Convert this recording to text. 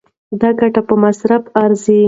دا ګټه په مصرف ارزي.